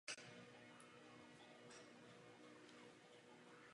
Ulice vede od křižovatky s "Rue de Bercy" a končí u "Rue de Lyon".